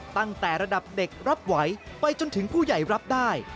ตั้งแต่ระดับเด็กรับไหวไปจนถึงผู้ใหญ่รับได้